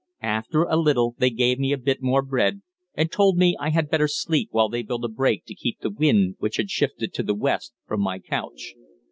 After a little they gave me a bit more bread, and told me I had better sleep while they built a break to keep the wind, which had shifted to the west, from my couch.